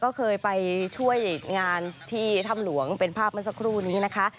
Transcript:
ก็เคยไปช่วยงานที่ถ้ำหลวงเป็นภาพเมื่อสักครู่นี้นะคะ